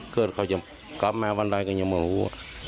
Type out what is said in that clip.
เกิดเขาจะกลับมาวันดายกันยังไม่รู้อ่ะ